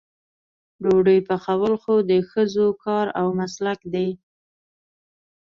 ډوډۍ پخول خو د ښځو کار او مسلک دی.